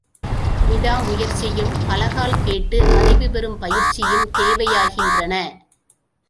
விடாமுயற்சியும், பலகால் கேட்டு அறிவுபெறும் பயிற்சியும் தேவையாகின்றன.